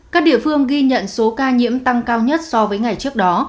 các địa phương ghi nhận số ca nhiễm tăng cao nhất so với ngày trước đó